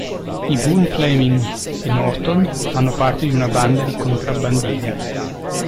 I Boone-Fleming e Norton fanno parte di una banda di contrabbandieri.